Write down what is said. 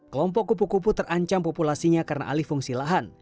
kelompok kupu kupu terancam populasinya karena alih fungsi lahan